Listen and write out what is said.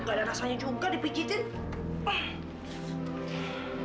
gak ada rasa yang jungka dipijetin